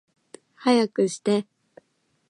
早くして